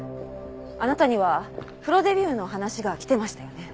あなたにはプロデビューの話が来てましたよね？